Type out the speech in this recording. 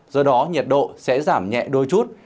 do đó nhiệt độ sẽ giảm nhẹ đôi chút